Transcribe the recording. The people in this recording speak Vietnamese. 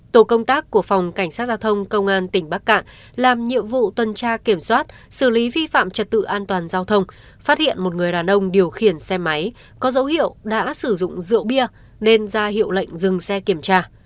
tổ công tác của phòng cảnh sát giao thông công an tỉnh bắc cạn làm nhiệm vụ tuần tra kiểm soát xử lý vi phạm trật tự an toàn giao thông phát hiện một người đàn ông điều khiển xe máy có dấu hiệu đã sử dụng rượu bia nên ra hiệu lệnh dừng xe kiểm tra